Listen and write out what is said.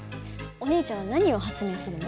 お兄ちゃんは何を発明するの？